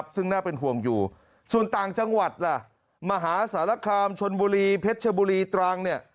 ซึ่งน่าเป็นห่วงอยู่ส่วนต่างจังหวัดมหาศาลกรรมชนบุรีเพชรบุรีตรัง